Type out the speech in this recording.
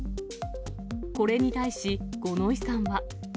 これに対し、五ノ井さんは。